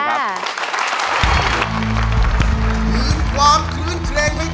ชาวหน้าเพื่อนดังตะซี